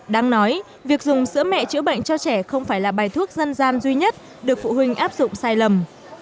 đáng nói việc dùng sữa mẹ chữa bệnh cho trẻ không phải là bài thuốc dân gian duy nhất được phụ huynh áp dụng sai lầm